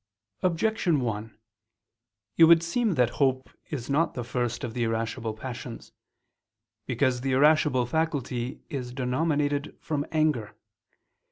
Objection 1: It would seem that hope is not the first of the irascible passions. Because the irascible faculty is denominated from anger.